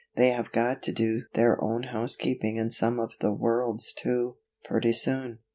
They have got to do their own housekeeping and some of the world's too, pretty soon."